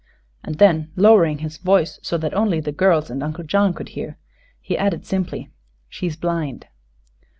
And then, lowering his voice so that only the girls and Uncle John could hear, he added simply: "She's blind."